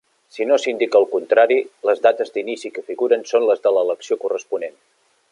Si no s'indica el contrari, les dates d'inici que figuren són les de l'elecció corresponent.